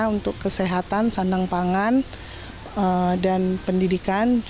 untuk kesehatan sandang pangan dan pendidikan